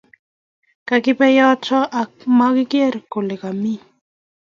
kakibe yoto ak makiger kole kamii